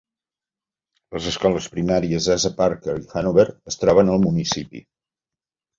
Les escoles primaries Asa Packer i Hanover es troben al municipi.